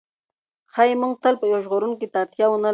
ښایي موږ تل یو ژغورونکي ته اړتیا ونه لرو.